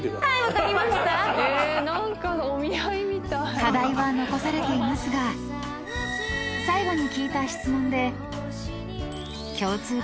［課題は残されていますが最後に聞いた質問で共通点が発覚］